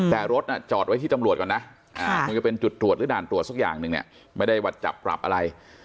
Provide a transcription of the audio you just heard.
แต่รถจอดไว้ที่ตำรวจก่อนนะมันก็เป็นจุดตรวจหรือด่านตรวจสักอย่างหนึ่งเนี่ยไม่ได้ว่าจับปรับอะไร